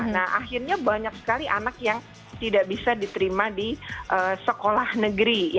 nah akhirnya banyak sekali anak yang tidak bisa diterima di sekolah negeri